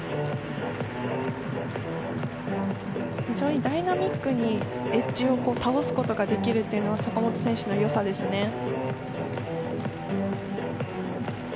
非常にダイナミックにエッジを倒すことができるというのが坂本選手の良さですね。